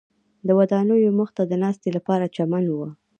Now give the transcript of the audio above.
د ودانیو مخ ته د ناستې لپاره چمن و.